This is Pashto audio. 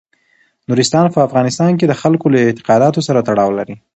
نورستان په افغانستان کې د خلکو له اعتقاداتو سره تړاو لري.